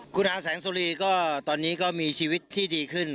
คุณอาแสงสุรีก็ตอนนี้ก็มีชีวิตที่ดีขึ้น